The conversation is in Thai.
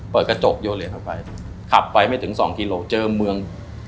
เปิดกระจกโยเลียนออกไปขับไฟไม่ถึง๒คิโลเจอเมือง